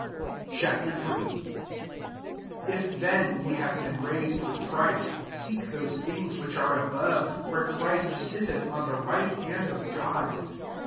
Ch. III. 1 If then ye have been raised with Christ, seek those things which are above, where Christ sitleth on the right hand of God.